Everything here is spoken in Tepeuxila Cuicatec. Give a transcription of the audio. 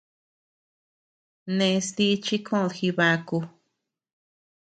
Nès dí chi koʼöd Jibaku.